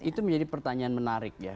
itu menjadi pertanyaan menarik ya